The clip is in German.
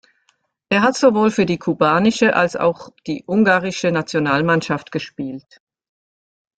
Er hat sowohl für die kubanische als auch die ungarische Nationalmannschaft gespielt.